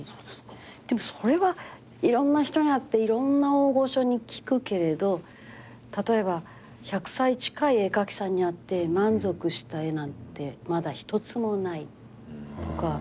でもそれはいろんな人に会っていろんな大御所に聞くけれど例えば１００歳近い絵描きさんに会って「満足した絵なんてまだ一つもない」とか。